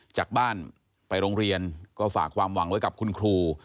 จากบ้านไปโรงเรียนก็ฝากความหวังไว้กับคุณครู